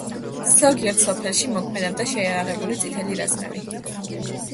ზოგიერთ სოფელში მოქმედებდა შეიარაღებული „წითელი რაზმები“.